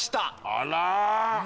あら！